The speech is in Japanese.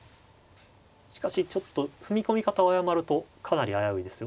しかしちょっと踏み込み方を誤るとかなり危ういです。